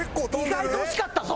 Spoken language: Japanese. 意外と惜しかったぞ？